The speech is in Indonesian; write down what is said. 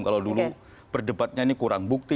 kalau dulu berdebatnya ini kurang bukti